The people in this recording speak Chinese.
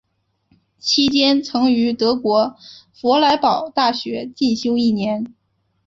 期间曾于德国佛莱堡大学进修一年。